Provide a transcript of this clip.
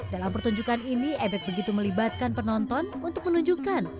dalam pertunjukan ini ebek begitu melibatkan penonton untuk menunjukkan